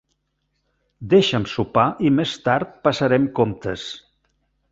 Deixa'm sopar i més tard passarem comptes.